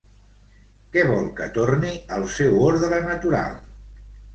Què vol que torni al seu ordre natural?